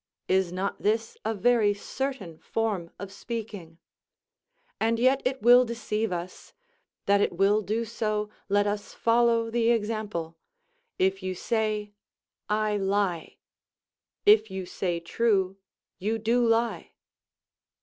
Is not this a very certain form of speaking? And yet it will deceive us; that it will do so, let us follow the example: If you say, "I lie," if you say true, you do lie.